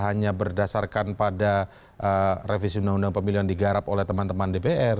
hanya berdasarkan pada revisi undang undang pemilu yang digarap oleh teman teman dpr